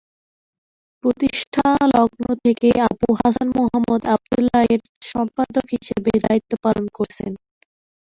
প্রতিষ্ঠালগ্ন থেকেই আবুল হাসান মুহাম্মদ আবদুল্লাহ এর সম্পাদক হিসেবে দায়িত্ব পালন করছেন।